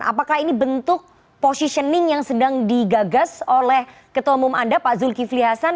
apakah ini bentuk positioning yang sedang digagas oleh ketua umum anda pak zulkifli hasan